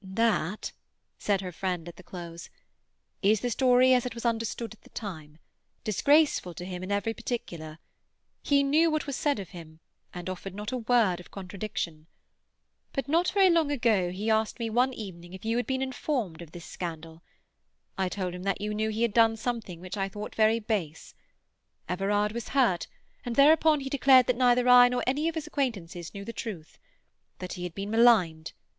"That," said her friend at the close, "is the story as it was understood at the time—disgraceful to him in every particular. He knew what was said of him, and offered not a word of contradiction. But not very long ago he asked me one evening if you had been informed of this scandal. I told him that you knew he had done something which I thought very base. Everard was hurt, and thereupon he declared that neither I nor any other of his acquaintances knew the truth—that he had been maligned.